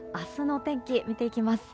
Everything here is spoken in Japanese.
明日の天気、見ていきます。